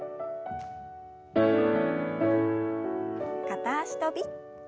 片脚跳び。